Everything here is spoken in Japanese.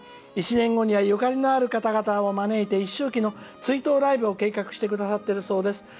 １年後にはゆかりのある方々を招いて一周忌の追悼ライブを計画してくださっているそうです。